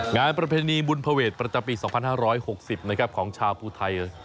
ประเพณีบุญภเวทประจำปี๒๕๖๐ของชาวภูไทย